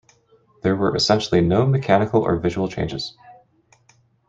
There were essentially no mechanical or visual changes.